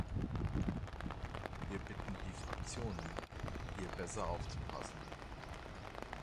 Wir bitten die Fraktionen, hier besser aufzupassen.